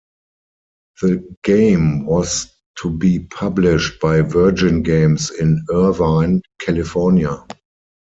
The game was to be published by Virgin Games in Irvine, California.